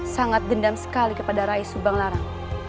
sangat dendam sekali kepada rai subang larang